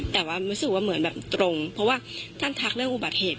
แต่ว่ารู้สึกว่าเหมือนแบบตรงเพราะว่าท่านทักเรื่องอุบัติเหตุ